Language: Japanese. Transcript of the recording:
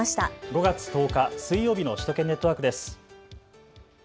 ５月１０日水曜日の首都圏ネットワークです。